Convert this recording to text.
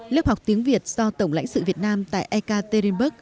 lớp học tiếng việt do tổng lãnh sự việt nam tại ek tây đình bức